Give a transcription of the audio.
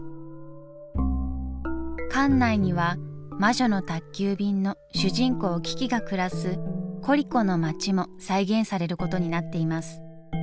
館内には「魔女の宅急便」の主人公キキが暮らすコリコの街も再現されることになっています。